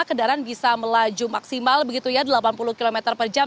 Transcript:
kendaraan bisa melaju maksimal begitu ya delapan puluh km per jam